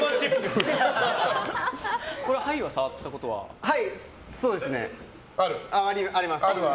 牌は触ったことは？あります。